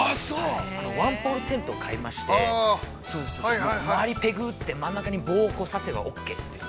ワンポールテントを買いまして周り、ペグ打って、真ん中に棒を刺せばオーケーという。